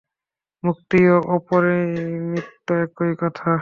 মুক্তি ও অপরিণামিত্ব একই কথা।